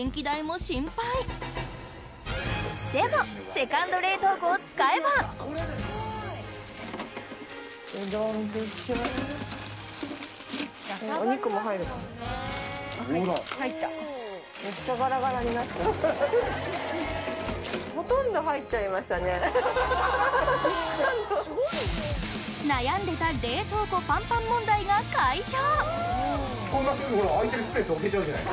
セカンド冷凍庫を使えば悩んでた冷凍庫パンパン問題が解消！